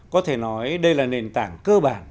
có thể nói đây là nền tảng cơ bản